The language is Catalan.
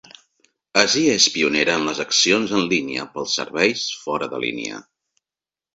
Asia és pionera en les accions en línia pels serveis fora de línia.